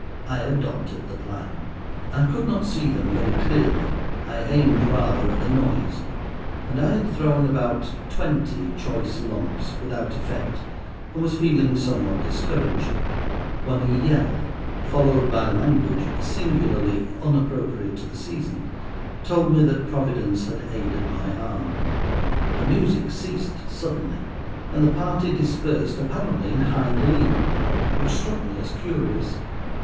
I adopted the plan. I could not see them very clearly. I aimed rather at the noise; and I had thrown about twenty choice lumps without effect, and was feeling somewhat discouraged, when a yell, followed by language singularly unappropriate to the season, told me that Providence had aided my arm. The music ceased suddenly, and the party dispersed, apparently in high glee—which struck me as curious.